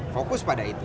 fokus pada itu